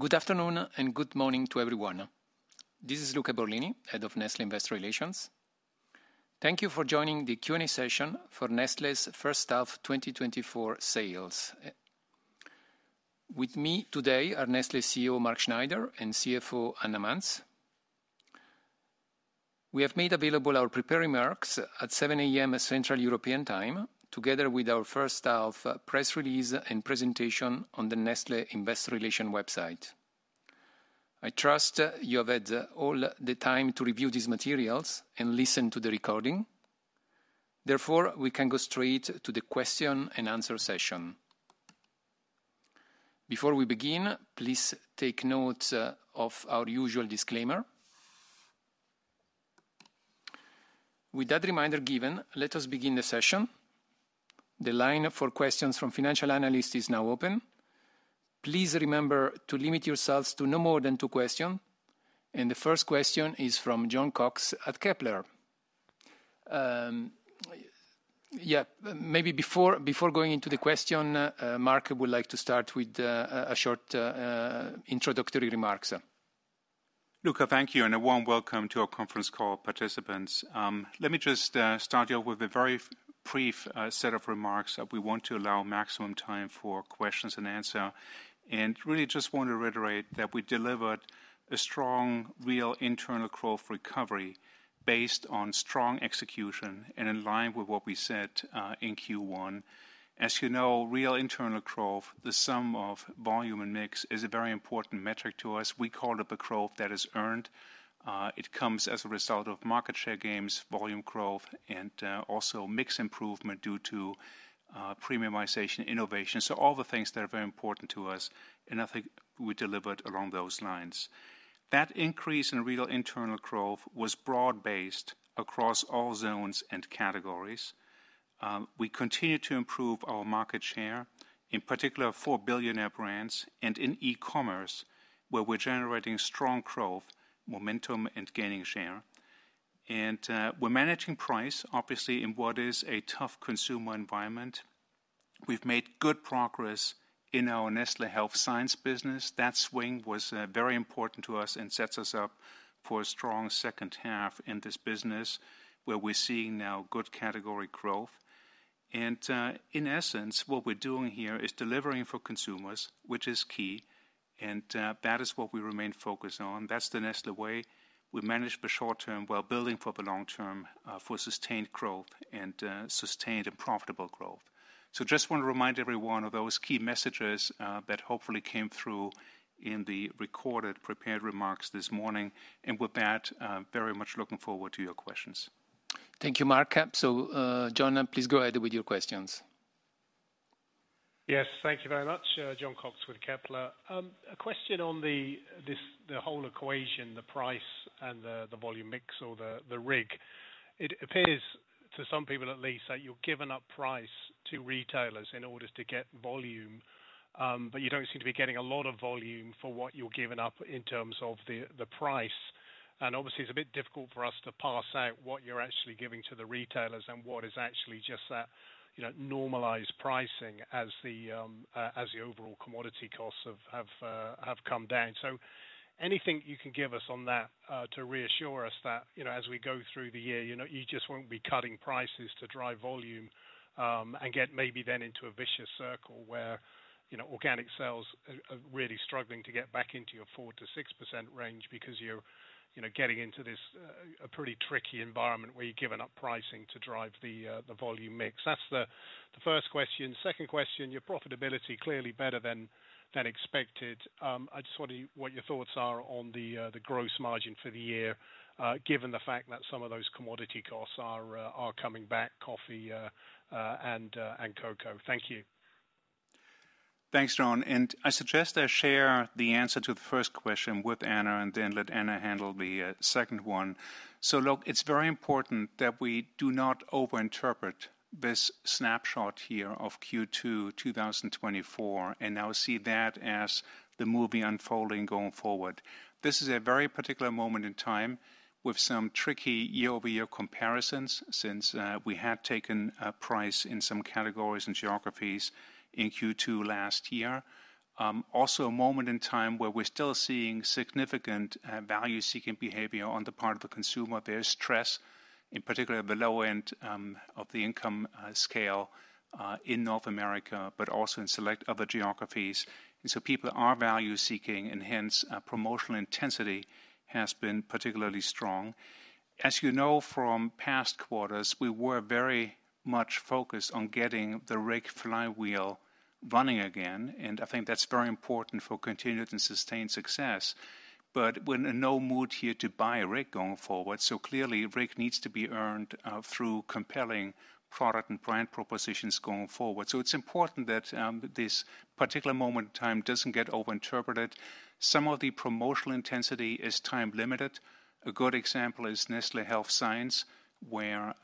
Good afternoon, and good morning to everyone. This is Luca Borlini, Head of Nestlé Investor Relations. Thank you for joining the Q&A session for Nestlé's first half 2024 sales. With me today are Nestlé CEO, Mark Schneider, and CFO, Anna Manz. We have made available our prepared remarks at 7:00 A.M. Central European Time, together with our first half press release and presentation on the Nestlé Investor Relations website. I trust you have had all the time to review these materials and listen to the recording. Therefore, we can go straight to the question-and-answer session. Before we begin, please take note of our usual disclaimer. With that reminder given, let us begin the session. The line for questions from financial analysts is now open. Please remember to limit yourselves to no more than two questions, and the first question is from Jon Cox at Kepler. Yeah, maybe before going into the question, Mark would like to start with a short introductory remarks. Luca, thank you, and a warm welcome to our conference call participants. Let me just start out with a very brief set of remarks that we want to allow maximum time for questions and answer, and really just want to reiterate that we delivered a strong, real internal growth recovery based on strong execution and in line with what we said in Q1. As you know, real internal growth, the sum of volume and mix, is a very important metric to us. We call it the growth that is earned. It comes as a result of market share gains, volume growth, and also mix improvement due to premiumization, innovation. So all the things that are very important to us, and I think we delivered along those lines. That increase in real internal growth was broad-based across all zones and categories. We continue to improve our market share, in particular, for Billionaire Brands and in e-commerce, where we're generating strong growth, momentum, and gaining share. And, we're managing price, obviously, in what is a tough consumer environment. We've made good progress in our Nestlé Health Science business. That swing was very important to us and sets us up for a strong second half in this business, where we're seeing now good category growth. And, in essence, what we're doing here is delivering for consumers, which is key, and, that is what we remain focused on. That's the Nestlé way. We manage the short term while building for the long term, for sustained growth and, sustained and profitable growth. So just want to remind everyone of those key messages, that hopefully came through in the recorded prepared remarks this morning. With that, very much looking forward to your questions. Thank you, Mark. So, Jon, please go ahead with your questions. Yes, thank you very much. Jon Cox with Kepler. A question on this, the whole equation, the price and the volume mix or the RIG. It appears, to some people at least, that you've given up price to retailers in order to get volume, but you don't seem to be getting a lot of volume for what you're giving up in terms of the price. And obviously, it's a bit difficult for us to parse out what you're actually giving to the retailers and what is actually just that, you know, normalized pricing as the overall commodity costs have come down. So anything you can give us on that, to reassure us that, you know, as we go through the year, you know, you just won't be cutting prices to drive volume, and get maybe then into a vicious circle where, you know, organic sales are really struggling to get back into your 4%-6% range because you're, you know, getting into this, a pretty tricky environment where you've given up pricing to drive the, the volume mix. That's the first question. Second question, your profitability, clearly better than expected. I just wonder what your thoughts are on the gross margin for the year, given the fact that some of those commodity costs are coming back, coffee, and cocoa. Thank you. Thanks, Jon, and I suggest I share the answer to the first question with Anna, and then let Anna handle the second one. So look, it's very important that we do not overinterpret this snapshot here of Q2 2024, and now see that as the movie unfolding going forward. This is a very particular moment in time with some tricky year-over-year comparisons since we had taken price in some categories and geographies in Q2 last year. Also a moment in time where we're still seeing significant value-seeking behavior on the part of the consumer. There is stress, in particular at the low end of the income scale in North America, but also in select other geographies. And so people are value-seeking, and hence promotional intensity has been particularly strong. As you know from past quarters, we were very much focused on getting the RIG flywheel running again, and I think that's very important for continued and sustained success. But we're in no mood here to buy a RIG going forward, so clearly RIG needs to be earned through compelling product and brand propositions going forward. So it's important that this particular moment in time doesn't get overinterpreted. Some of the promotional intensity is time-limited. A good example is Nestlé Health Science, where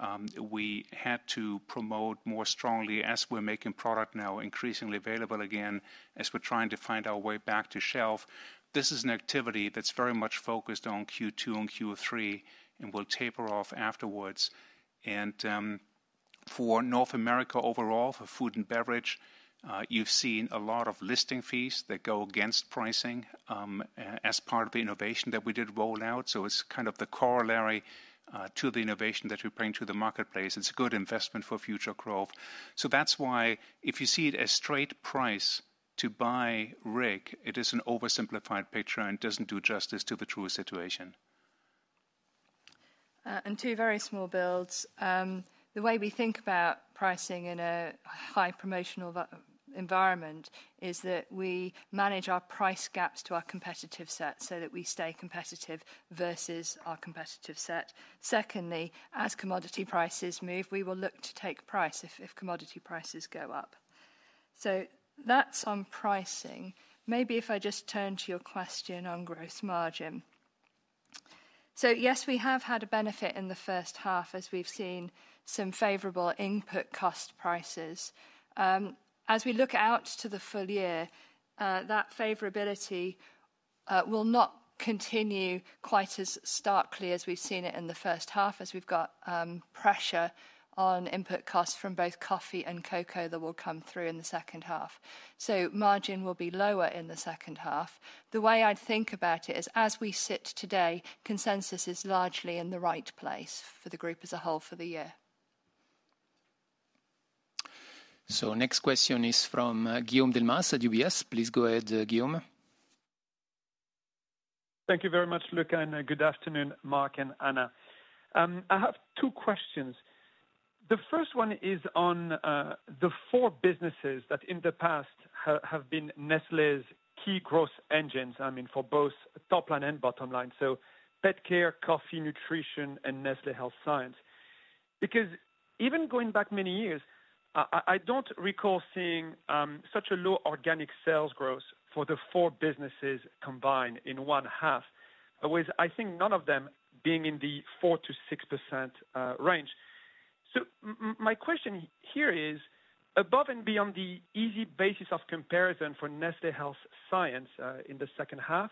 we had to promote more strongly as we're making product now increasingly available again, as we're trying to find our way back to shelf. This is an activity that's very much focused on Q2 and Q3 and will taper off afterwards. For North America overall, for food and beverage, you've seen a lot of listing fees that go against pricing, as part of the innovation that we did roll out. So it's kind of the corollary, to the innovation that we're bringing to the marketplace. It's a good investment for future growth. So that's why if you see it as straight price to buy RIG, it is an oversimplified picture and doesn't do justice to the true situation. Two very small builds. The way we think about pricing in a high promotional environment is that we manage our price gaps to our competitive set so that we stay competitive versus our competitive set. Secondly, as commodity prices move, we will look to take price if commodity prices go up. So that's on pricing. Maybe if I just turn to your question on gross margin. So yes, we have had a benefit in the first half as we've seen some favorable input cost prices. As we look out to the full year, that favorability will not continue quite as starkly as we've seen it in the first half, as we've got pressure on input costs from both coffee and cocoa that will come through in the second half. So margin will be lower in the second half. The way I'd think about it is, as we sit today, consensus is largely in the right place for the group as a whole for the year. So next question is from Guillaume Delmas at UBS. Please go ahead, Guillaume. Thank you very much, Luca, and good afternoon, Mark and Anna. I have two questions. The first one is on the four businesses that in the past have been Nestlé's key growth engines, I mean, for both top line and bottom line, so pet care, coffee, nutrition, and Nestlé Health Science. Because even going back many years, I don't recall seeing such a low organic sales growth for the four businesses combined in one half, with I think none of them being in the 4%-6% range. So my question here is, above and beyond the easy basis of comparison for Nestlé Health Science, in the second half,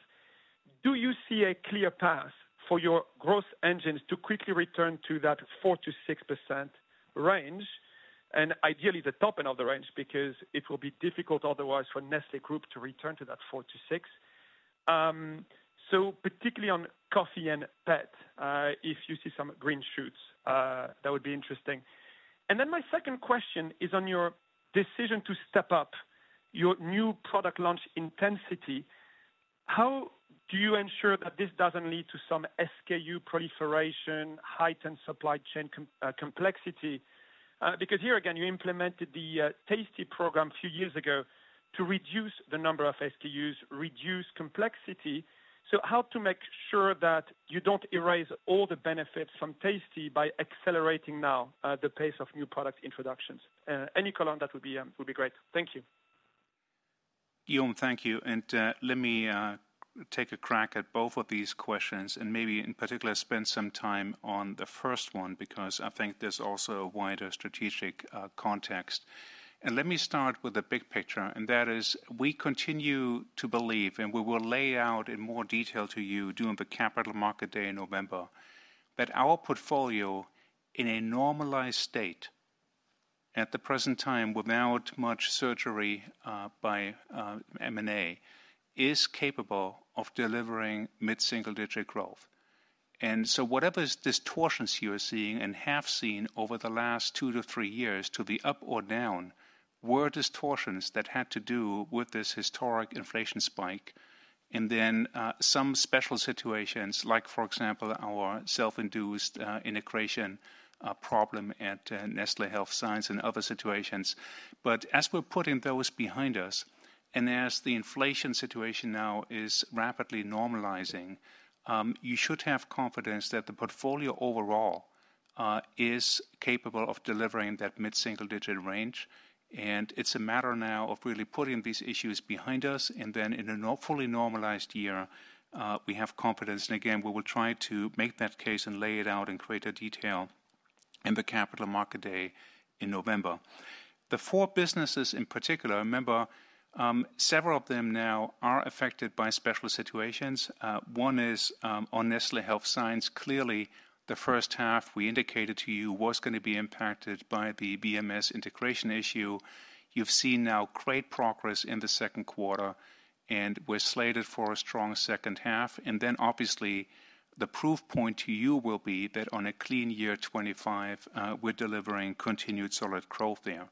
do you see a clear path for your growth engines to quickly return to that 4%-6% range, and ideally the top end of the range, because it will be difficult otherwise for Nestlé Group to return to that 4%-6%? So particularly on coffee and pet, if you see some green shoots, that would be interesting. And then my second question is on your decision to step up your new product launch intensity, how do you ensure that this doesn't lead to some SKU proliferation, heightened supply chain complexity? Because here again, you implemented the Tasty program a few years ago to reduce the number of SKUs, reduce complexity. So how to make sure that you don't erase all the benefits from Tasty by accelerating now, the pace of new product introductions? Any column that would be, would be great. Thank you. Guillaume, thank you. And, let me take a crack at both of these questions, and maybe in particular, spend some time on the first one, because I think there's also a wider strategic context. And let me start with the big picture, and that is we continue to believe, and we will lay out in more detail to you during the Capital Market Day in November, that our portfolio, in a normalized state at the present time, without much surgery, by M&A, is capable of delivering mid-single-digit growth. And so whatever distortions you are seeing and have seen over the last two to three years to the up or down, were distortions that had to do with this historic inflation spike, and then, some special situations, like, for example, our self-induced integration problem at Nestlé Health Science and other situations. But as we're putting those behind us, and as the inflation situation now is rapidly normalizing, you should have confidence that the portfolio overall is capable of delivering that mid-single-digit range. And it's a matter now of really putting these issues behind us, and then in a fully normalized year, we have confidence. And again, we will try to make that case and lay it out in greater detail in the Capital Market Day in November. The four businesses in particular, remember, several of them now are affected by special situations. One is on Nestlé Health Science. Clearly, the first half we indicated to you was gonna be impacted by the VMS integration issue. You've seen now great progress in the second quarter, and we're slated for a strong second half. And then obviously, the proof point to you will be that on a clean year 2025, we're delivering continued solid growth there.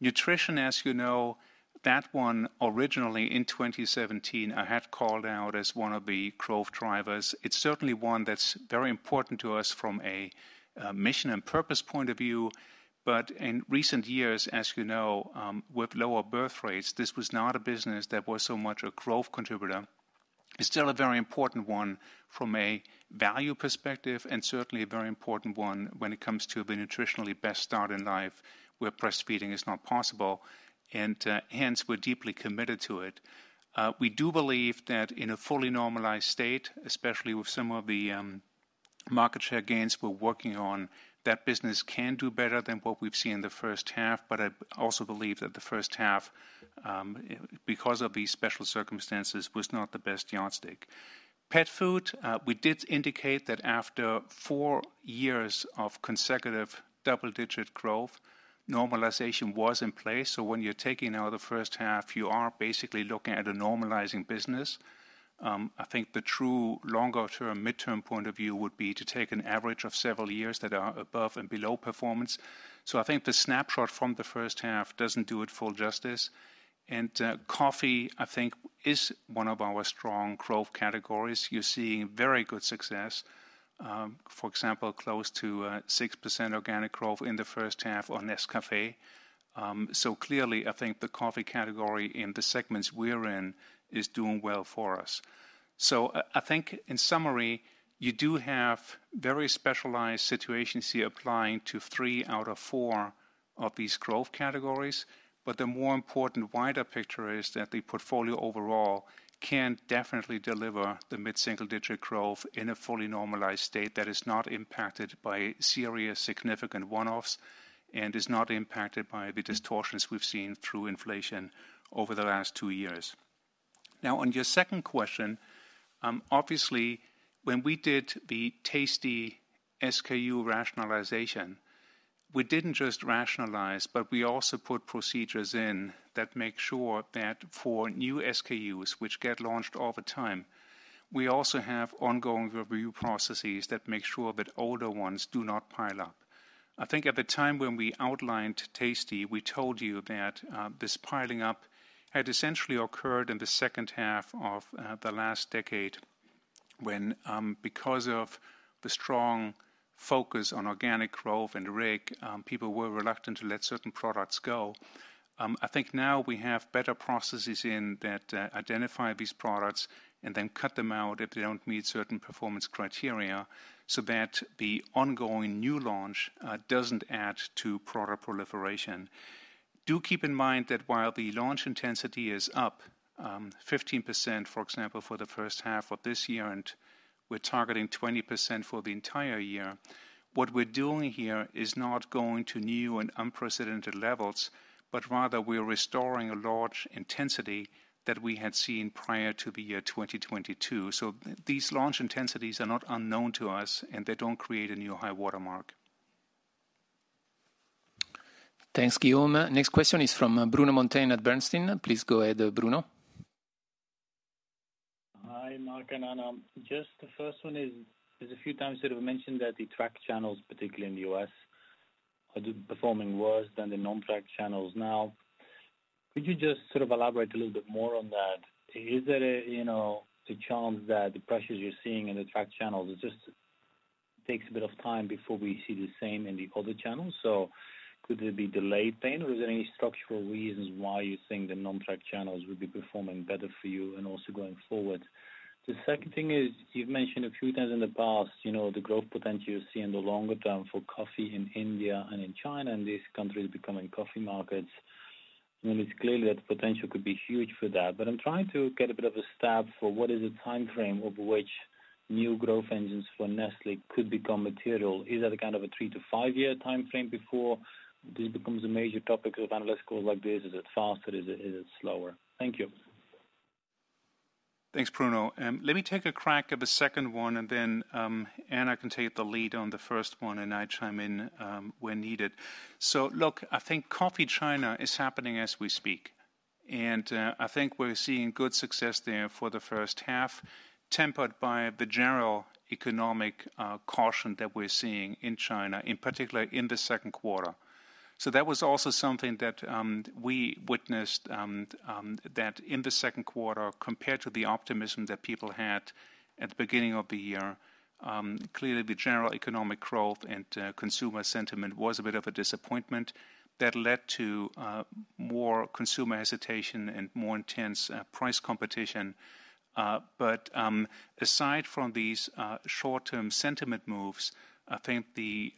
Nutrition, as you know, that one originally in 2017, I had called out as one of the growth drivers. It's certainly one that's very important to us from a mission and purpose point of view, but in recent years, as you know, with lower birth rates, this was not a business that was so much a growth contributor. It's still a very important one from a value perspective, and certainly a very important one when it comes to the nutritionally best start in life, where breastfeeding is not possible, and hence we're deeply committed to it. We do believe that in a fully normalized state, especially with some of the... Market share gains we're working on, that business can do better than what we've seen in the first half, but I also believe that the first half, because of these special circumstances, was not the best yardstick. Pet food, we did indicate that after four years of consecutive double-digit growth, normalization was in place. So when you're taking out the first half, you are basically looking at a normalizing business. I think the true longer-term, midterm point of view would be to take an average of several years that are above and below performance. So I think the snapshot from the first half doesn't do it full justice. And, coffee, I think, is one of our strong growth categories. You're seeing very good success. For example, close to 6% organic growth in the first half on Nescafé. So clearly, I think the coffee category in the segments we're in is doing well for us. So I, I think in summary, you do have very specialized situations here applying to three out of four of these growth categories, but the more important wider picture is that the portfolio overall can definitely deliver the mid-single digit growth in a fully normalized state that is not impacted by serious significant one-offs, and is not impacted by the distortions we've seen through inflation over the last two years. Now, on your second question, obviously, when we did the Tasty SKU rationalization, we didn't just rationalize, but we also put procedures in that make sure that for new SKUs, which get launched all the time, we also have ongoing review processes that make sure that older ones do not pile up. I think at the time when we outlined Tasty, we told you that this piling up had essentially occurred in the second half of the last decade, when, because of the strong focus on organic growth and RIG, people were reluctant to let certain products go. I think now we have better processes in that identify these products and then cut them out if they don't meet certain performance criteria, so that the ongoing new launch doesn't add to product proliferation. Do keep in mind that while the launch intensity is up 15%, for example, for the first half of this year, and we're targeting 20% for the entire year, what we're doing here is not going to new and unprecedented levels, but rather we are restoring a large intensity that we had seen prior to the year 2022. So these launch intensities are not unknown to us, and they don't create a new high watermark. Thanks, Guillaume. Next question is from Bruno Monteyne at Bernstein. Please go ahead, Bruno. Hi, Mark and Anna. Just the first one is, there's a few times that you mentioned that the trade channels, particularly in the U.S., are performing worse than the non-trade channels. Now, could you just sort of elaborate a little bit more on that? Is there a, you know, the chance that the pressures you're seeing in the trade channels, it just takes a bit of time before we see the same in the other channels? So could there be delayed pain, or is there any structural reasons why you think the non-trade channels would be performing better for you and also going forward? The second thing is, you've mentioned a few times in the past, you know, the growth potential you're seeing in the longer term for coffee in India and in China, and these countries becoming coffee markets. I mean, it's clearly that the potential could be huge for that. But I'm trying to get a bit of a stab for what is the timeframe over which new growth engines for Nestlé could become material. Is that a kind of a 3-5-year timeframe before this becomes a major topic of analytical like this? Is it faster? Is it, is it slower? Thank you. Thanks, Bruno. Let me take a crack at the second one, and then, Anna can take the lead on the first one, and I chime in, when needed. So look, I think coffee China is happening as we speak, and, I think we're seeing good success there for the first half, tempered by the general economic, caution that we're seeing in China, in particular in the second quarter. So that was also something that, we witnessed, that in the second quarter, compared to the optimism that people had at the beginning of the year, clearly, the general economic growth and, consumer sentiment was a bit of a disappointment that led to, more consumer hesitation and more intense, price competition. But, aside from these short-term sentiment moves, I think the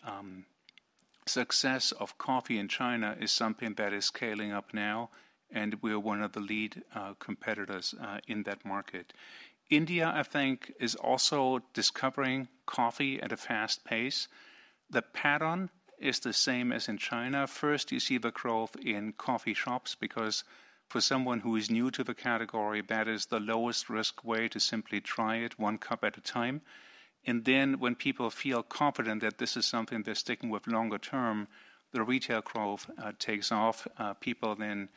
success of coffee in China is something that is scaling up now, and we are one of the lead competitors in that market. India, I think, is also discovering coffee at a fast pace. The pattern is the same as in China. First, you see the growth in coffee shops, because for someone who is new to the category, that is the lowest risk way to simply try it, one cup at a time. And then when people feel confident that this is something they're sticking with longer term, the retail growth takes off. People then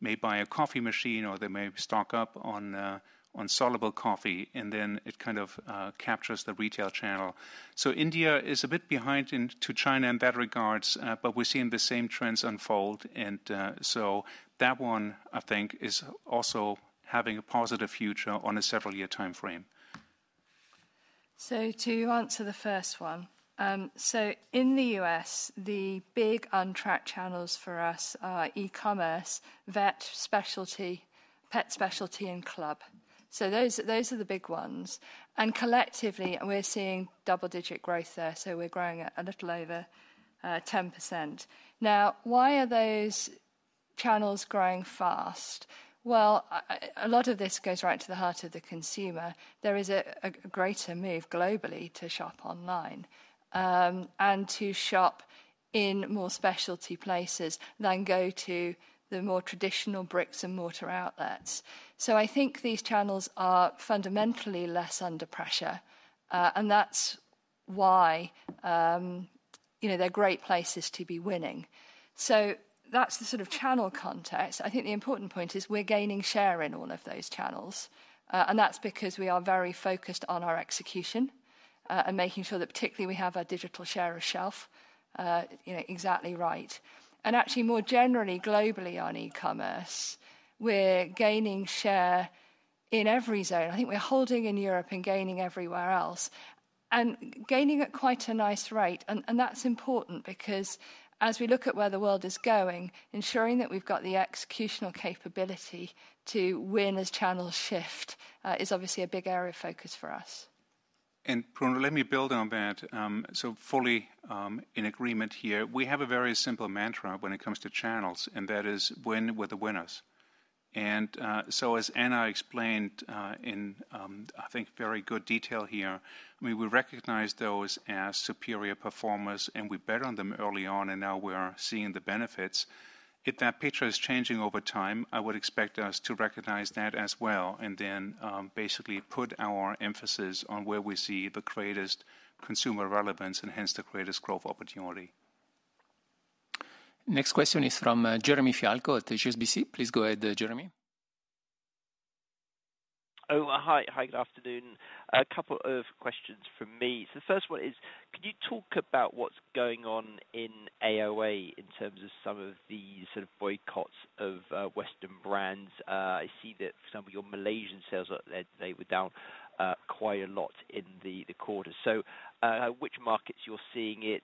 may buy a coffee machine, or they may stock up on soluble coffee, and then it kind of captures the retail channel. India is a bit behind into China in that regard, but we're seeing the same trends unfold, and so that one, I think, is also having a positive future on a several-year timeframe. To answer the first one, so in the US, the big untracked channels for us are e-commerce, vet, specialty, pet specialty, and club. So those, those are the big ones, and collectively, we're seeing double-digit growth there, so we're growing at a little over 10%. Now, why are those channels growing fast? Well, a lot of this goes right to the heart of the consumer. There is a greater move globally to shop online, and to shop in more specialty places than go to the more traditional bricks and mortar outlets. So I think these channels are fundamentally less under pressure, and that's why, you know, they're great places to be winning. So that's the sort of channel context. I think the important point is we're gaining share in all of those channels, and that's because we are very focused on our execution, and making sure that particularly we have our digital share of shelf, you know, exactly right. And actually, more generally globally on e-commerce, we're gaining share in every zone. I think we're holding in Europe and gaining everywhere else, and gaining at quite a nice rate. And that's important because as we look at where the world is going, ensuring that we've got the executional capability to win as channels shift, is obviously a big area of focus for us. And Bruno, let me build on that. So fully in agreement here, we have a very simple mantra when it comes to channels, and that is: win with the winners. And so as Anna explained in I think very good detail here, we recognize those as superior performers, and we bet on them early on, and now we are seeing the benefits. If that picture is changing over time, I would expect us to recognize that as well, and then basically put our emphasis on where we see the greatest consumer relevance and hence the greatest growth opportunity. Next question is from Jeremy Fialko at HSBC. Please go ahead, Jeremy. Oh, hi. Hi, good afternoon. A couple of questions from me. So the first one is, could you talk about what's going on in AOA in terms of some of the sort of boycotts of Western brands? I see that some of your Malaysian sales were down quite a lot in the quarter. So, which markets you're seeing it,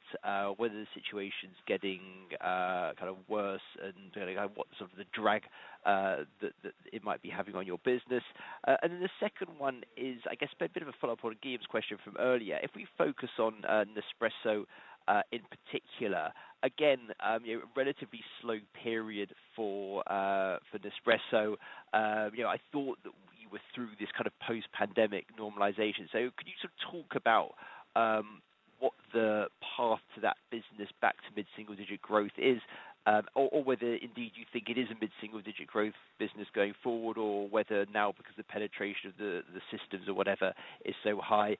whether the situation's getting kind of worse and what sort of the drag that it might be having on your business? And then the second one is, I guess, a bit of a follow-up on Gabe's question from earlier. If we focus on Nespresso in particular, again, you know, relatively slow period for Nespresso. You know, I thought that we were through this kind of post-pandemic normalization. So could you sort of talk about what the path to that business back to mid-single digit growth is? Or whether indeed you think it is a mid-single digit growth business going forward, or whether now, because the penetration of the systems or whatever is so high,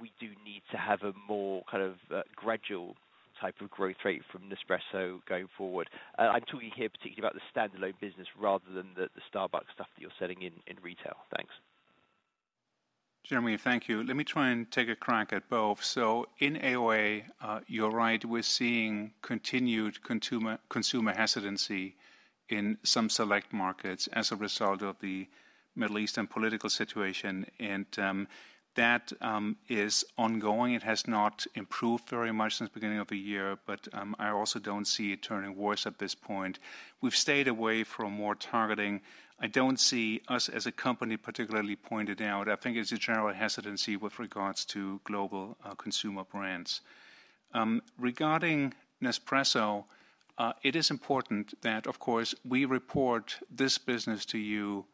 we do need to have a more kind of gradual type of growth rate from Nespresso going forward. I'm talking here particularly about the standalone business rather than the Starbucks stuff that you're selling in retail. Thanks. Jeremy, thank you. Let me try and take a crack at both. So in AOA, you're right, we're seeing continued consumer hesitancy in some select markets as a result of the Middle Eastern political situation, and that is ongoing. It has not improved very much since the beginning of the year, but I also don't see it turning worse at this point. We've stayed away from more targeting. I don't see us as a company particularly pointed out. I think it's a general hesitancy with regards to global consumer brands. Regarding Nespresso, it is important that, of course, we report this business to you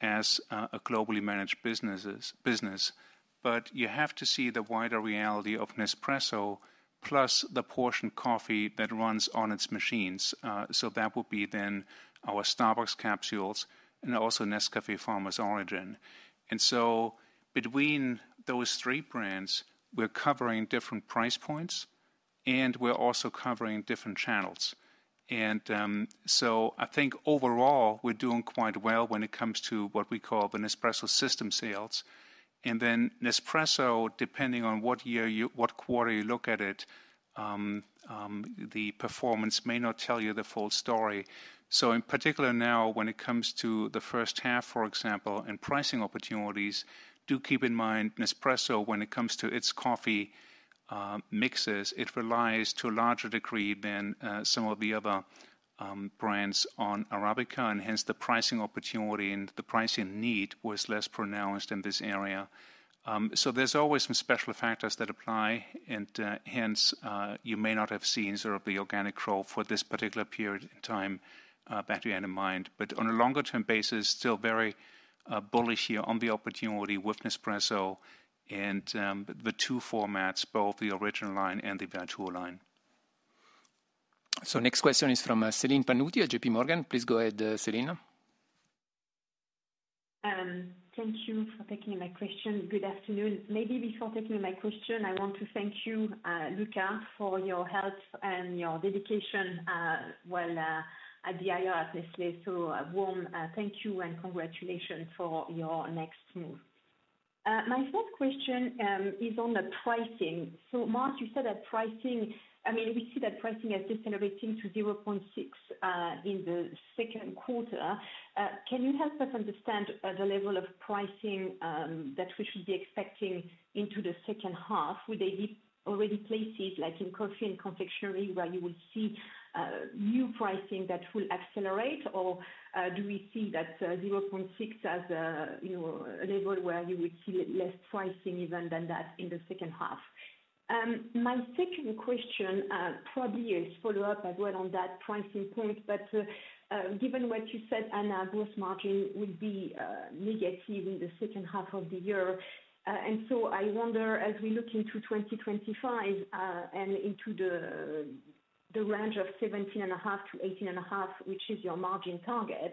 as a globally managed business. But you have to see the wider reality of Nespresso plus the portion coffee that runs on its machines. So that would be then our Starbucks capsules and also Nescafé Farmers Origins. So between those three brands, we're covering different price points, and we're also covering different channels. So I think overall, we're doing quite well when it comes to what we call the Nespresso system sales. Then Nespresso, depending on what year you-- what quarter you look at it, the performance may not tell you the full story. So in particular now, when it comes to the first half, for example, and pricing opportunities, do keep in mind, Nespresso, when it comes to its coffee mixes, it relies to a larger degree than some of the other brands on Arabica, and hence the pricing opportunity and the pricing need was less pronounced in this area. So there's always some special factors that apply, and hence, you may not have seen sort of the Organic Growth for this particular period in time that we had in mind. But on a longer-term basis, still very bullish here on the opportunity with Nespresso and the two formats, both the Original Line and the Vertuo Line. So next question is from, Celine Pannuti at J.P. Morgan. Please go ahead, Celine. Thank you for taking my question. Good afternoon. Maybe before taking my question, I want to thank you, Luca, for your help and your dedication, while at the IR at Nestlé. So a warm thank you, and congratulations for your next move. My first question is on the pricing. So Mark, you said that pricing - I mean, we see that pricing is decelerating to 0.6 in the second quarter. Can you help us understand the level of pricing that we should be expecting into the second half? Would they be already placed it, like in coffee and confectionery, where you will see new pricing that will accelerate? Or, do we see that 0.6 as, you know, a level where you will see less pricing even than that in the second half? My second question probably is follow up as well on that pricing point. But, given what you said, Anna, gross margin will be negative in the second half of the year. And so I wonder, as we look into 2025, and into the range of 17.5-18.5, which is your margin target,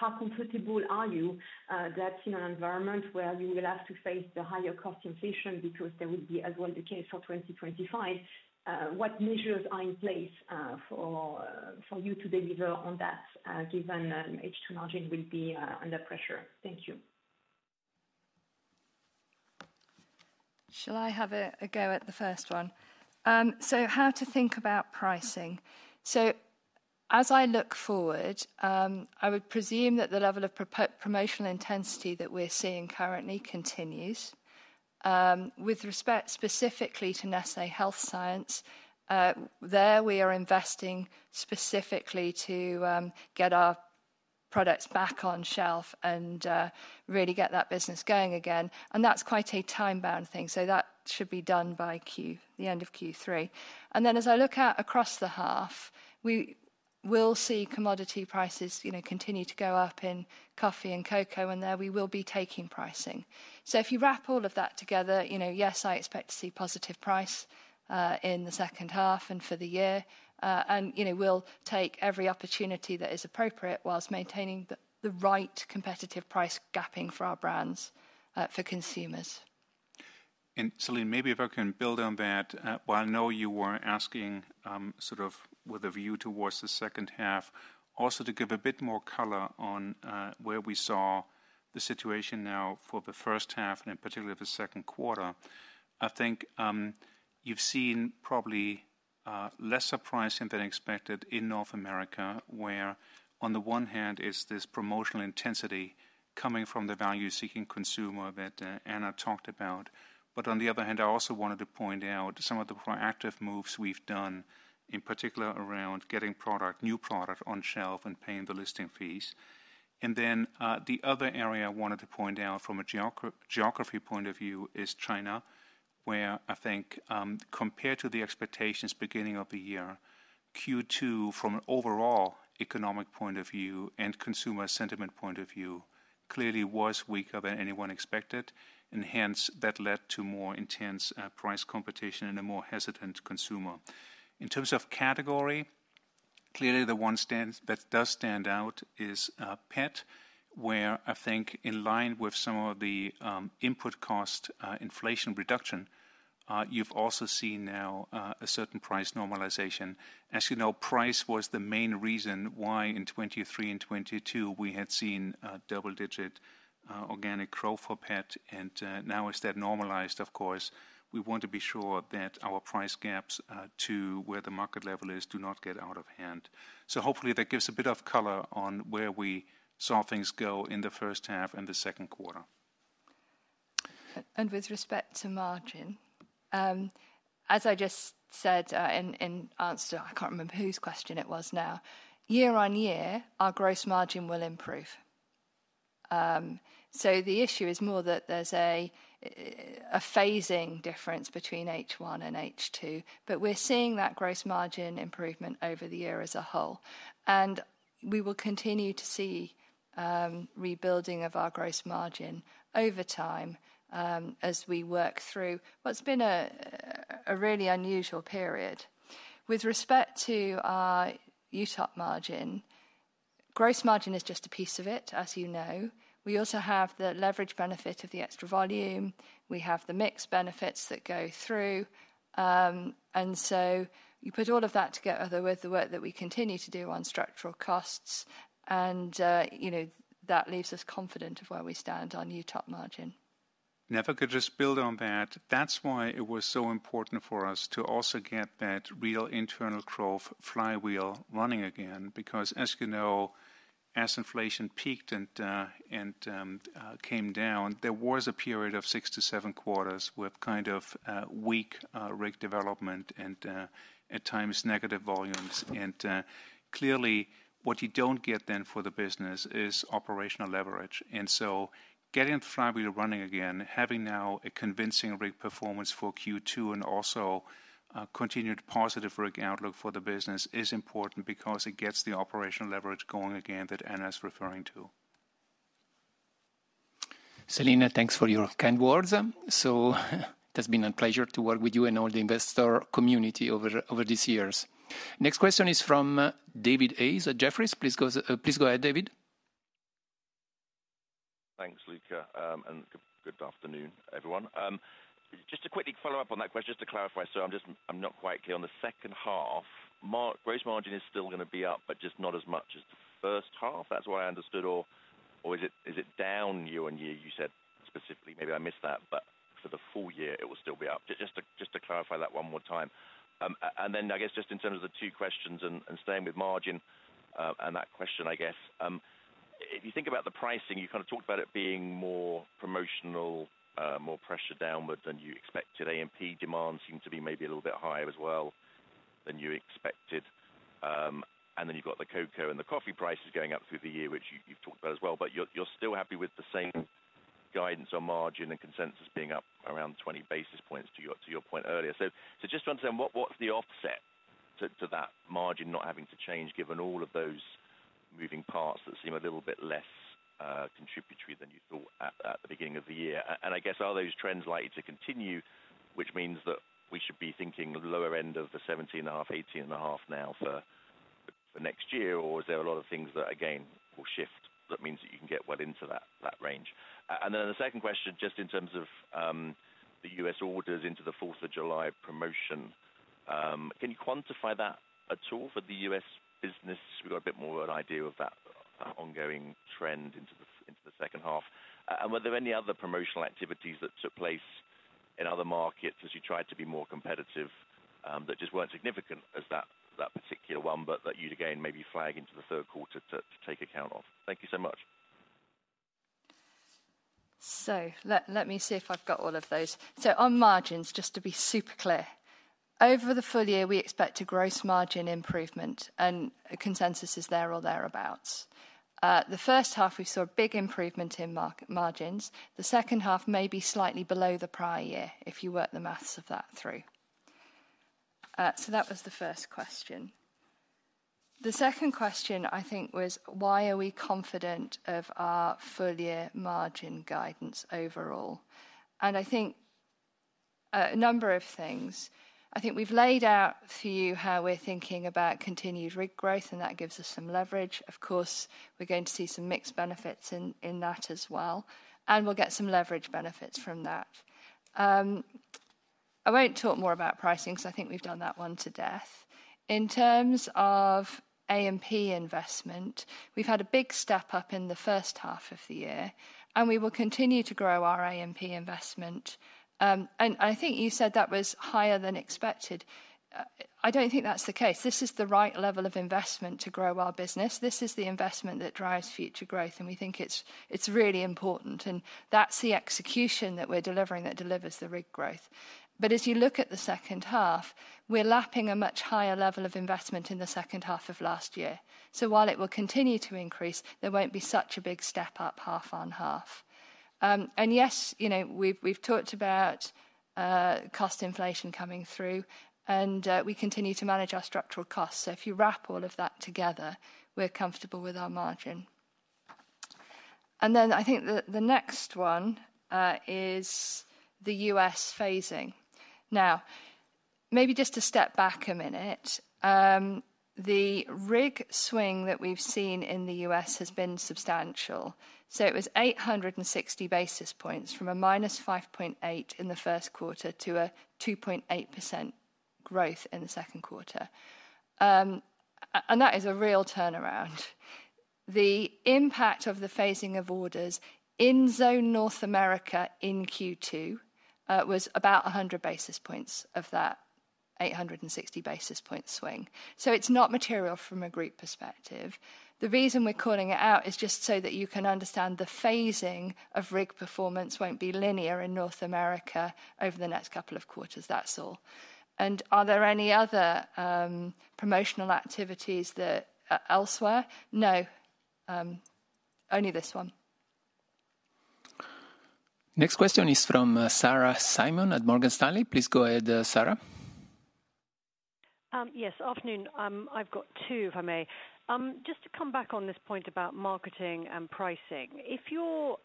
how comfortable are you that in an environment where you will have to face the higher cost inflation because that will be as well the case for 2025? What measures are in place for you to deliver on that, given H2 margin will be under pressure? Thank you. Shall I have a go at the first one? So how to think about pricing. So as I look forward, I would presume that the level of promotional intensity that we're seeing currently continues. With respect specifically to Nestlé Health Science, there we are investing specifically to get our products back on shelf and really get that business going again, and that's quite a time-bound thing, so that should be done by the end of Q3. And then as I look out across the half, we will see commodity prices, you know, continue to go up in coffee and cocoa, and there we will be taking pricing. So if you wrap all of that together, you know, yes, I expect to see positive price in the second half and for the year. You know, we'll take every opportunity that is appropriate whilst maintaining the right competitive price gapping for our brands, for consumers. Celine, maybe if I can build on that. While I know you were asking, sort of with a view towards the second half, also to give a bit more color on where we saw the situation now for the first half, and in particular, the second quarter. I think you've seen probably lesser pricing than expected in North America, where on the one hand, it's this promotional intensity coming from the value-seeking consumer that Anna talked about. But on the other hand, I also wanted to point out some of the proactive moves we've done, in particular, around getting product, new product on shelf and paying the listing fees. And then, the other area I wanted to point out from a geography point of view is China, where I think, compared to the expectations beginning of the year, Q2, from an overall economic point of view and consumer sentiment point of view, clearly was weaker than anyone expected, and hence, that led to more intense, price competition and a more hesitant consumer. In terms of category, clearly, the one that does stand out is, pet, where I think in line with some of the, input cost, inflation reduction, you've also seen now, a certain price normalization. As you know, price was the main reason why in 2023 and 2022 we had seen a double-digit, organic growth for pet, and, now as that normalized, of course, we want to be sure that our price gaps, to where the market level is, do not get out of hand. So hopefully that gives a bit of color on where we saw things go in the first half and the second quarter. With respect to margin, as I just said, in answer to, I can't remember whose question it was now, year on year, our gross margin will improve. So the issue is more that there's a phasing difference between H1 and H2, but we're seeing that gross margin improvement over the year as a whole. We will continue to see rebuilding of our gross margin over time, as we work through what's been a really unusual period. With respect to our UTOP margin, gross margin is just a piece of it, as you know. We also have the leverage benefit of the extra volume. We have the mix benefits that go through. And so you put all of that together with the work that we continue to do on structural costs, and, you know, that leaves us confident of where we stand on UTOP margin. And if I could just build on that, that's why it was so important for us to also get that real internal growth flywheel running again, because as you know, as inflation peaked and came down, there was a period of 6-7 quarters with kind of weak RIG development and at times negative volumes. Clearly, what you don't get then for the business is operational leverage. So getting the flywheel running again, having now a convincing RIG performance for Q2 and also continued positive RIG outlook for the business is important because it gets the operational leverage going again that Anna's referring to. Celine, thanks for your kind words. So it has been a pleasure to work with you and all the investor community over, over these years. Next question is from David Hayes at Jefferies. Please go ahead, David. Thanks, Luca, and good, good afternoon, everyone. Just to quickly follow up on that question, just to clarify, so I'm just—I'm not quite clear on the second half. Gross margin is still gonna be up, but just not as much as the first half? That's what I understood, or, or is it, is it down year on year, you said specifically? Maybe I missed that, but for the full year it will still be up. Just to clarify that one more time. And then I guess just in terms of the two questions and staying with margin, and that question, I guess, if you think about the pricing, you kind of talked about it being more promotional, more pressure downward than you expected. A&P demand seemed to be maybe a little bit higher as well than you expected. And then you've got the cocoa and the coffee prices going up through the year, which you, you've talked about as well. But you're, you're still happy with the same guidance on margin and consensus being up around 20 basis points, to your, to your point earlier. So, so just to understand, what, what's the offset to, to that margin not having to change, given all of those moving parts that seem a little bit less contributory than you thought at, at the beginning of the year? And, and I guess, are those trends likely to continue, which means that we should be thinking the lower end of the 17.5-18.5 now for, for next year? Or is there a lot of things that, again, will shift, that means that you can get well into that, that range? And then the second question, just in terms of the U.S. orders into the Fourth of July promotion, can you quantify that at all for the U.S. business? We've got a bit more of an idea of that ongoing trend into the second half. And were there any other promotional activities that took place in other markets as you tried to be more competitive, that just weren't significant as that particular one, but that you'd again maybe flag into the third quarter to take account of? Thank you so much. So let me see if I've got all of those. So on margins, just to be super clear, over the full year, we expect a gross margin improvement, and consensus is there or thereabout. The first half, we saw a big improvement in gross margins. The second half may be slightly below the prior year, if you work the math of that through. So that was the first question. The second question, I think, was why are we confident of our full year margin guidance overall? And I think, a number of things. I think we've laid out for you how we're thinking about continued RIG growth, and that gives us some leverage. Of course, we're going to see some mix benefits in that as well, and we'll get some leverage benefits from that. I won't talk more about pricing, because I think we've done that one to death. In terms of A&P investment, we've had a big step up in the first half of the year, and we will continue to grow our A&P investment. And I think you said that was higher than expected. I don't think that's the case. This is the right level of investment to grow our business. This is the investment that drives future growth, and we think it's, it's really important, and that's the execution that we're delivering that delivers the RIG growth. But as you look at the second half, we're lapping a much higher level of investment in the second half of last year. So while it will continue to increase, there won't be such a big step up half on half. And yes, you know, we've, we've talked about cost inflation coming through, and we continue to manage our structural costs. So if you wrap all of that together, we're comfortable with our margin. And then I think the, the next one is the U.S. phasing. Now, maybe just to step back a minute, the RIG swing that we've seen in the U.S. has been substantial. So it was 860 basis points from a -5.8 in the first quarter to a 2.8% growth in the second quarter. And that is a real turnaround. The impact of the phasing of orders in Zone North America in Q2 was about 100 basis points of that 860 basis point swing. So it's not material from a group perspective. The reason we're calling it out is just so that you can understand the phasing of RIG performance won't be linear in North America over the next couple of quarters. That's all. And are there any other, promotional activities that are elsewhere? No, only this one. Next question is from Sarah Simon at Morgan Stanley. Please go ahead, Sarah. Yes, afternoon. I've got two, if I may. Just to come back on this point about marketing and pricing, if you're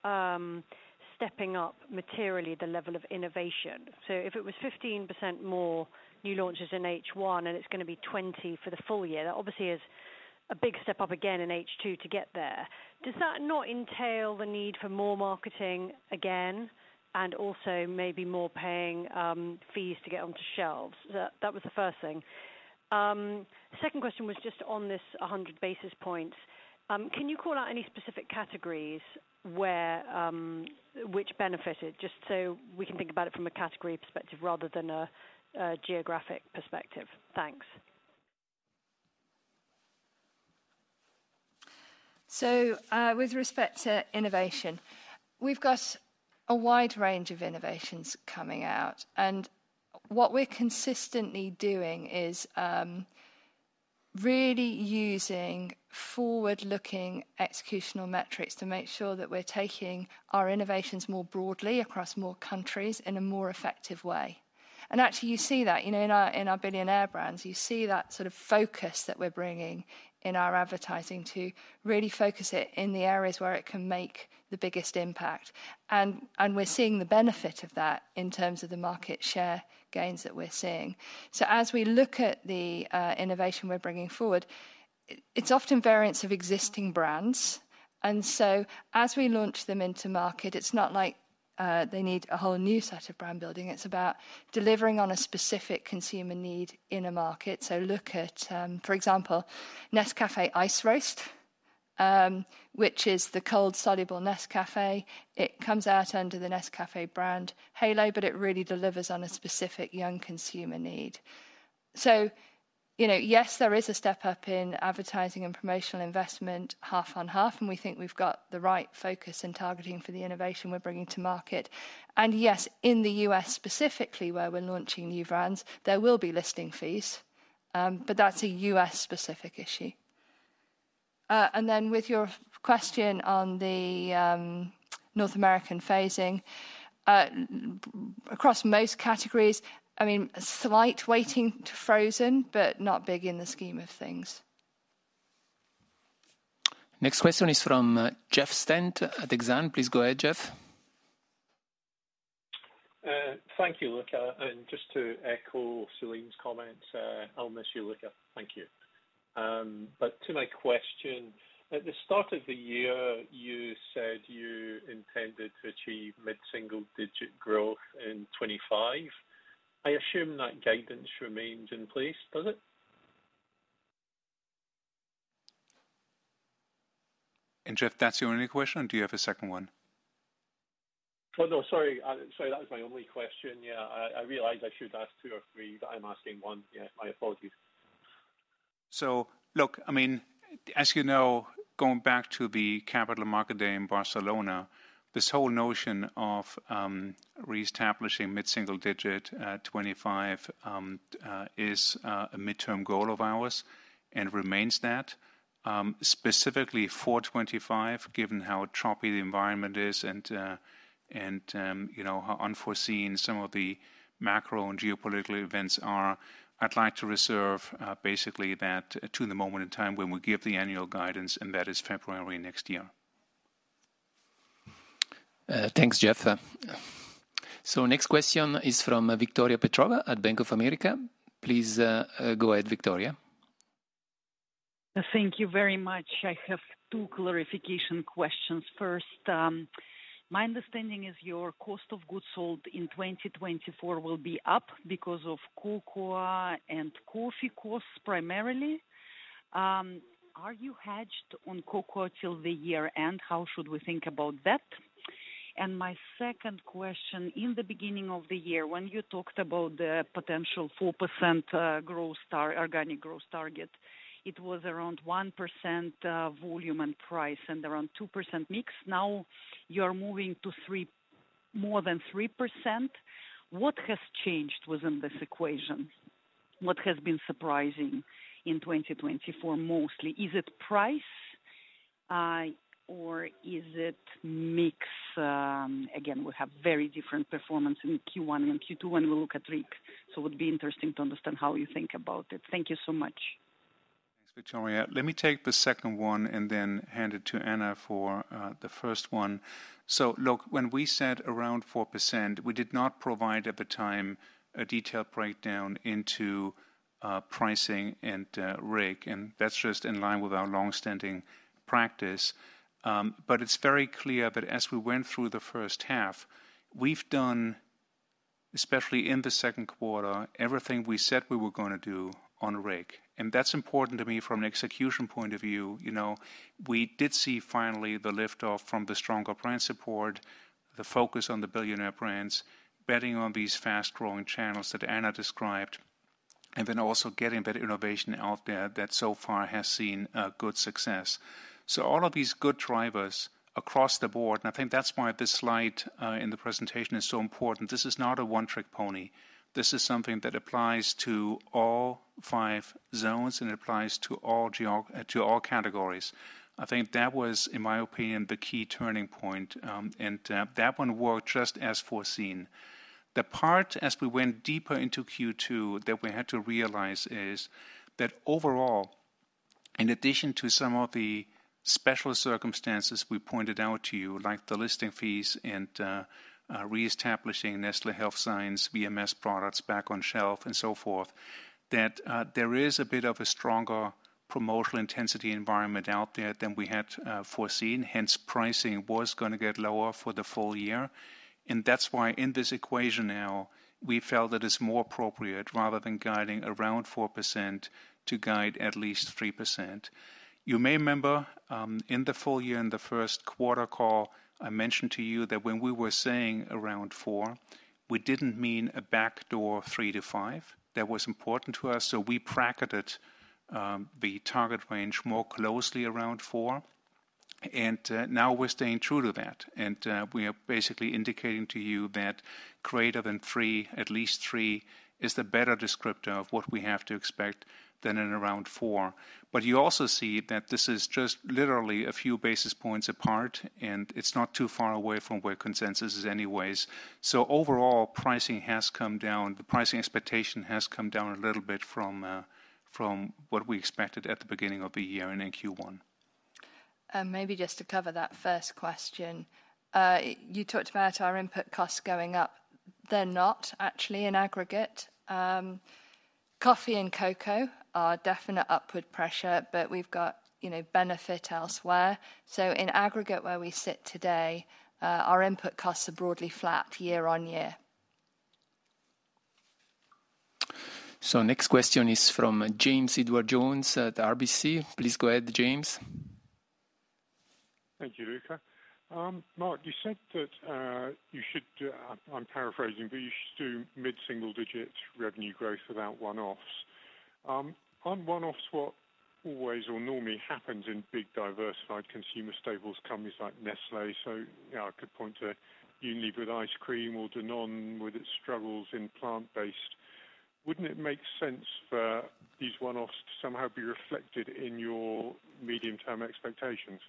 stepping up materially the level of innovation, so if it was 15% more new launches in H1 and it's gonna be 20% for the full year, that obviously is a big step up again in H2 to get there. Does that not entail the need for more marketing again, and also maybe more paying fees to get onto shelves? That was the first thing. Second question was just on this 100 basis points. Can you call out any specific categories where which benefited, just so we can think about it from a category perspective rather than a geographic perspective? Thanks. So, with respect to innovation, we've got a wide range of innovations coming out, and what we're consistently doing is, really using forward-looking executional metrics to make sure that we're taking our innovations more broadly across more countries in a more effective way. And actually, you see that, you know, in our, in our Billionaire Brands. You see that sort of focus that we're bringing in our advertising to really focus it in the areas where it can make the biggest impact. And, and we're seeing the benefit of that in terms of the market share gains that we're seeing. So as we look at the, innovation we're bringing forward, it's often variants of existing brands. And so as we launch them into market, it's not like, they need a whole new set of brand building. It's about delivering on a specific consumer need in a market. So look at, for example, Nescafé Ice Roast, which is the cold soluble Nescafé. It comes out under the Nescafé brand halo, but it really delivers on a specific young consumer need. So, you know, yes, there is a step up in advertising and promotional investment, half on half, and we think we've got the right focus and targeting for the innovation we're bringing to market. And yes, in the US specifically, where we're launching new brands, there will be listing fees, but that's a US-specific issue. And then with your question on the North American phasing, across most categories, I mean, a slight weighting to frozen, but not big in the scheme of things. Next question is from Jeff Stent at Exane. Please go ahead, Jeff. Thank you, Luca. And just to echo Celine's comments, I'll miss you, Luca. Thank you. But to my question, at the start of the year, you said you intended to achieve mid-single digit growth in 2025. I assume that guidance remains in place, does it? Jeff, that's your only question, or do you have a second one? Oh, no. Sorry, sorry, that was my only question. Yeah, I realized I should ask two or three, but I'm asking one. Yeah, my apologies. So look, I mean, as you know, going back to the Capital Market Day in Barcelona, this whole notion of reestablishing mid-single digit 25 is a midterm goal of ours and remains that. Specifically for 25, given how choppy the environment is and you know, how unforeseen some of the macro and geopolitical events are, I'd like to reserve basically that to the moment in time when we give the annual guidance, and that is February next year. Thanks, Jeff. So next question is from Victoria Petrova at Bank of America. Please, go ahead, Victoria. Thank you very much. I have two clarification questions. First, my understanding is your cost of goods sold in 2024 will be up because of cocoa and coffee costs primarily. Are you hedged on cocoa till the year-end? How should we think about that? And my second question: in the beginning of the year, when you talked about the potential 4% organic growth target, it was around 1% volume and price and around 2% mix. Now you're moving to 3%... more than 3%. What has changed within this equation? What has been surprising in 2024 mostly? Is it price, or is it mix? Again, we have very different performance in Q1 and Q2 when we look at RIG. So it would be interesting to understand how you think about it. Thank you so much. Thanks, Victoria. Let me take the second one and then hand it to Anna for the first one. So look, when we said around 4%, we did not provide, at the time, a detailed breakdown into pricing and RIG, and that's just in line with our long-standing practice. But it's very clear that as we went through the first half, we've done, especially in the second quarter, everything we said we were gonna do on RIG, and that's important to me from an execution point of view. You know, we did see finally the lift off from the stronger brand support, the focus on the billionaire brands, betting on these fast-growing channels that Anna described, and then also getting better innovation out there that so far has seen good success. So all of these good drivers across the board, and I think that's why this slide in the presentation is so important. This is not a one-trick pony. This is something that applies to all five zones, and it applies to all categories. I think that was, in my opinion, the key turning point, and that one worked just as foreseen. The part, as we went deeper into Q2, that we had to realize is that overall, in addition to some of the special circumstances we pointed out to you, like the listing fees and reestablishing Nestlé Health Science VMS products back on shelf and so forth, that there is a bit of a stronger promotional intensity environment out there than we had foreseen. Hence, pricing was gonna get lower for the full year, and that's why in this equation now, we felt that it's more appropriate, rather than guiding around 4%, to guide at least 3%. You may remember, in the full year, in the first quarter call, I mentioned to you that when we were saying around 4%, we didn't mean a backdoor 3%-5%. That was important to us, so we bracketed the target range more closely around 4%, and now we're staying true to that. And we are basically indicating to you that greater than 3%, at least 3%, is the better descriptor of what we have to expect than around 4%. But you also see that this is just literally a few basis points apart, and it's not too far away from where consensus is anyways. So overall, pricing has come down. The pricing expectation has come down a little bit from what we expected at the beginning of the year and in Q1. Maybe just to cover that first question. You talked about our input costs going up. They're not actually in aggregate. Coffee and cocoa are definite upward pressure, but we've got, you know, benefit elsewhere. So in aggregate, where we sit today, our input costs are broadly flat year on year. Next question is from James Edward Jones at RBC. Please go ahead, James. Thank you, Luca. Mark, you said that you should, I'm paraphrasing, but you should do mid-single-digit revenue growth without one-offs. On one-offs, what always or normally happens in big, diversified consumer staples companies like Nestlé, so, you know, I could point to Unilever with ice cream or Danone with its struggles in plant-based-... wouldn't it make sense for these one-offs to somehow be reflected in your medium-term expectations?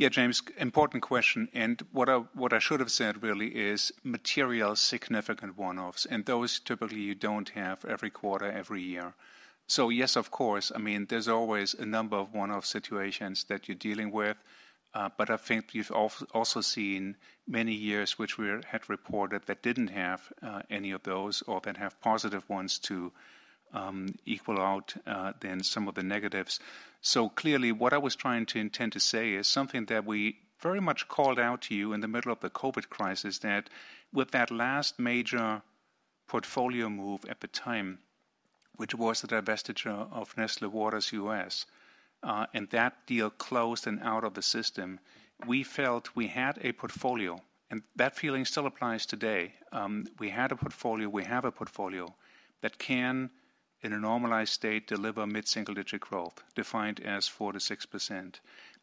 Yeah, James, important question, and what I, what I should have said really is material significant one-offs, and those typically you don't have every quarter, every year. So yes, of course, I mean, there's always a number of one-off situations that you're dealing with, but I think you've also seen many years which we had reported that didn't have any of those or that have positive ones to equal out than some of the negatives. So clearly, what I was trying to intend to say is something that we very much called out to you in the middle of the COVID crisis, that with that last major portfolio move at the time, which was the divestiture of Nestlé Waters, U.S., and that deal closed and out of the system, we felt we had a portfolio, and that feeling still applies today. We had a portfolio, we have a portfolio that can, in a normalized state, deliver mid-single-digit growth, defined as 4%-6%.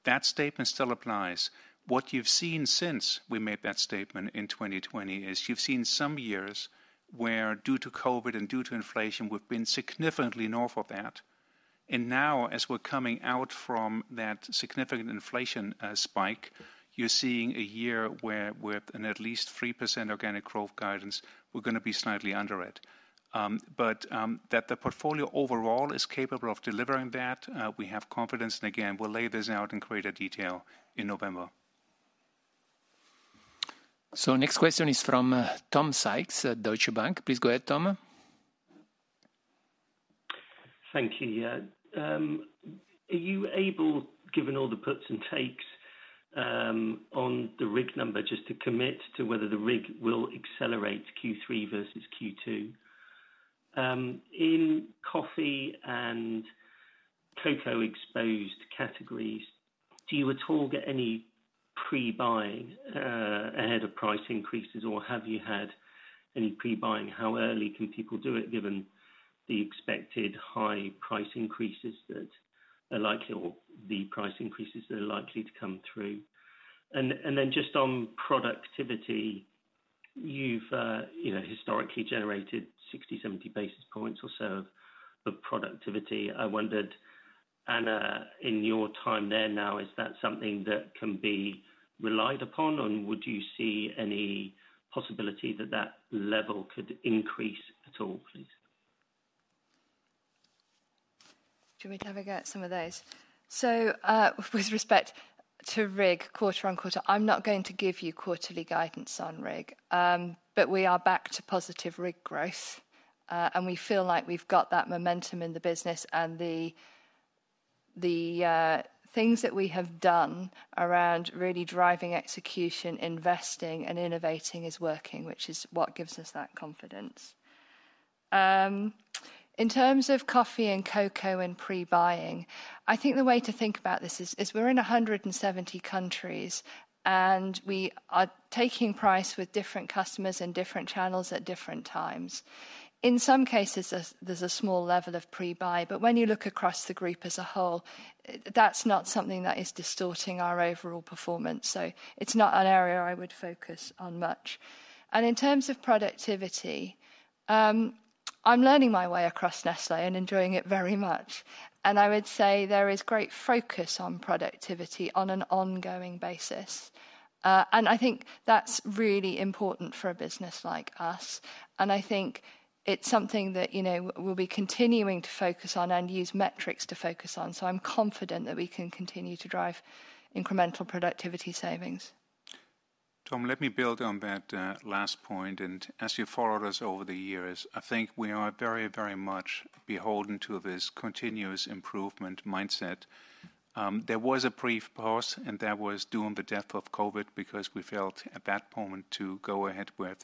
That statement still applies. What you've seen since we made that statement in 2020, is you've seen some years where, due to COVID and due to inflation, we've been significantly north of that. And now, as we're coming out from that significant inflation spike, you're seeing a year where with an at least 3% organic growth guidance, we're gonna be slightly under it. But that the portfolio overall is capable of delivering that, we have confidence, and again, we'll lay this out in greater detail in November. Next question is from Tom Sykes at Deutsche Bank. Please go ahead, Tom. Thank you. Yeah. Are you able, given all the puts and takes, on the RIG number, just to commit to whether the RIG will accelerate Q3 versus Q2? In coffee and cocoa-exposed categories, do you at all get any pre-buying ahead of price increases, or have you had any pre-buying? How early can people do it, given the expected high price increases that are likely or the price increases that are likely to come through? And then just on productivity, you've, you know, historically generated 60, 70 basis points or so of productivity. I wondered, Anna, in your time there now, is that something that can be relied upon, or would you see any possibility that that level could increase at all, please? Do you want me to have a go at some of those? So, with respect to RIG quarter-on-quarter, I'm not going to give you quarterly guidance on RIG, but we are back to positive RIG growth, and we feel like we've got that momentum in the business and the things that we have done around really driving execution, investing and innovating is working, which is what gives us that confidence. In terms of coffee and cocoa and pre-buying, I think the way to think about this is, we're in 170 countries, and we are taking price with different customers in different channels at different times. In some cases, there's a small level of pre-buy, but when you look across the group as a whole, that's not something that is distorting our overall performance, so it's not an area I would focus on much. In terms of productivity, I'm learning my way across Nestlé and enjoying it very much. I would say there is great focus on productivity on an ongoing basis. I think that's really important for a business like us, and I think it's something that, you know, we'll be continuing to focus on and use metrics to focus on. So I'm confident that we can continue to drive incremental productivity savings. Tom, let me build on that, last point, and as you followed us over the years, I think we are very, very much beholden to this continuous improvement mindset. There was a brief pause, and that was during the depth of COVID, because we felt at that moment to go ahead with,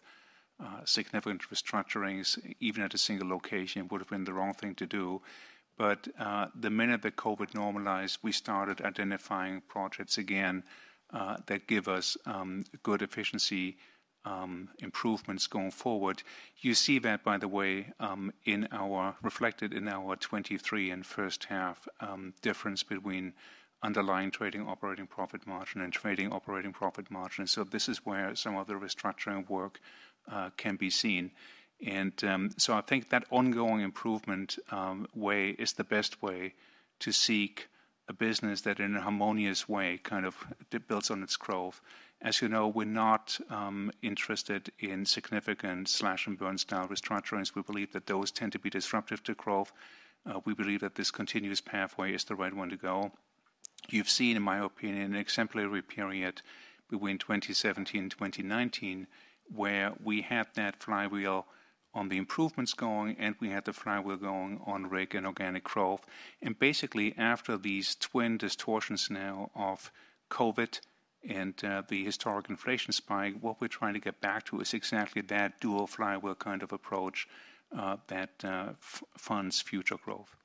significant restructurings, even at a single location, would have been the wrong thing to do. But, the minute that COVID normalized, we started identifying projects again, that give us, good efficiency, improvements going forward. You see that, by the way, in our, reflected in our 2023 and first half, difference between Underlying Trading operating profit margin and trading operating profit margin. So this is where some of the restructuring work, can be seen. I think that ongoing improvement way is the best way to seek a business that, in a harmonious way, kind of builds on its growth. As you know, we're not interested in significant slash-and-burn style restructurings. We believe that those tend to be disruptive to growth. We believe that this continuous pathway is the right one to go. You've seen, in my opinion, an exemplary period between 2017 and 2019, where we had that flywheel on the improvements going, and we had the flywheel going on RIG and organic growth. And basically, after these twin distortions now of COVID and the historic inflation spike, what we're trying to get back to is exactly that dual flywheel kind of approach that funds future growth.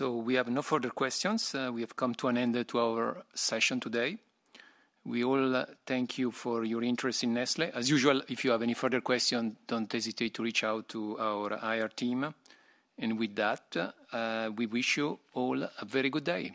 We have no further questions. We have come to an end to our session today. We all thank you for your interest in Nestlé. As usual, if you have any further questions, don't hesitate to reach out to our IR team. With that, we wish you all a very good day.